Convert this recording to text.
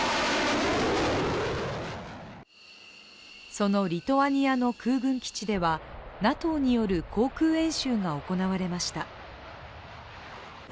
そのリトアニアの空軍基地ではＮＡＴＯによる航空演習が行われました。